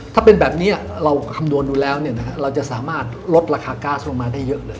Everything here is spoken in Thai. ถ้าเป็นแบบนี้เราคำนวณดูแล้วเราจะสามารถลดราคาก๊าซลงมาได้เยอะเลย